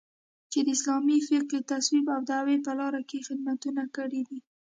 چې د اسلامي فقې، تصوف او دعوت په لاره کې یې خدمتونه کړي دي